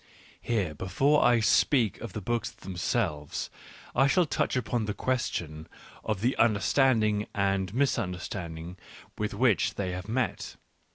Here, \\ before I speak of the books themselves, I shall touch upon the question of the understanding and misunderstanding with which they have met.